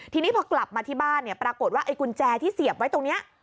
ทีนี้พอกลับมาที่บ้านเนี่ยปรากฏว่าไอ้กุญแจที่เสียบไว้ตรงนี้